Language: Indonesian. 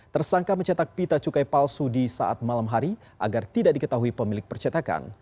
tersangka mencetak pita cukai palsu di saat malam hari agar tidak diketahui pemilik percetakan